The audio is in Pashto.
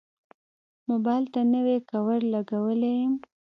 موبایل ته نوی کوور لګولی یم.